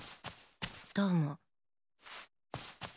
どうも。